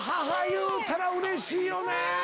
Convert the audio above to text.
言うたらうれしいよね！